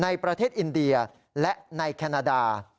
ในประเทศอินเดียและในแคนาดา